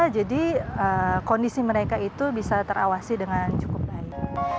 jadi kondisi mereka itu bisa terawasi dengan cukup baik